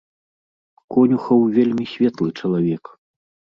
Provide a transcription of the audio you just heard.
Конюхаў вельмі светлы чалавек.